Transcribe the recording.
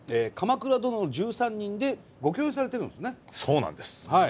「鎌倉殿の１３人」でご共演されてるんですね。